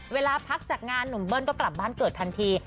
เวลาพักจากงานหนุ่มเบิ้ลก็กลับบ้านเกิดทันที